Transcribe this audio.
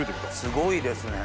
すごいですね。